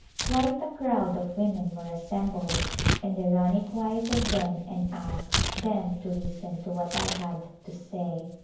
Quite a crowd of women were assembled and the Rani quieted them and asked them to listen to what I had to say.